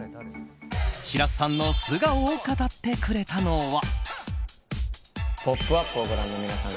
白洲さんの素顔を語ってくれたのは。